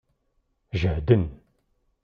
Jehden.